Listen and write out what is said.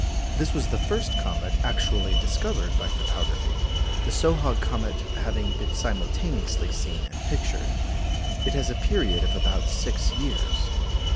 This was the first comet actually discovered by photography, the Sohag comet having been simultaneously seen and pictured. It has a period of about six years.